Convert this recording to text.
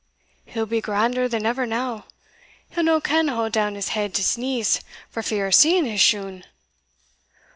He'll be grander than ever now he'll no can haud down his head to sneeze, for fear o' seeing his shoon."